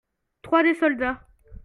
Trois des soldats.